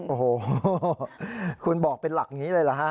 โอ้โหคุณบอกเป็นหลักอย่างนี้เลยเหรอฮะ